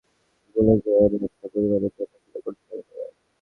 ভুলে যেয়ো না, একটা পরিবারের দেখাশোনা করতে হবে তোমায়।